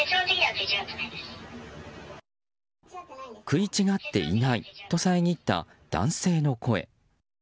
食い違っていないと遮った男性の声。